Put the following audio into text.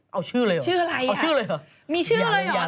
เอาชื่ออะไรหรอ